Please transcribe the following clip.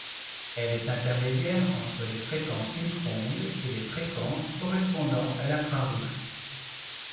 Elle est intermédiaire entre les fréquences micro-ondes et les fréquences correspondant à l'infrarouge.